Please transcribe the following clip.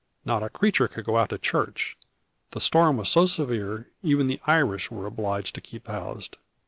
Not a creature could go out to church, the storm was so severe: even the Irish were obliged to keep housed.